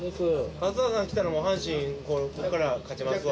勝田さん来たらもう阪神こっからは勝ちますわ。